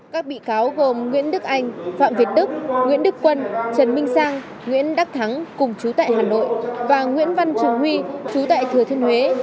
các bị cáo gồm nguyễn đức anh phạm việt đức nguyễn đức quân trần minh sang nguyễn đắc thắng cùng chú tại hà nội và nguyễn văn trường huy chú tại thừa thiên huế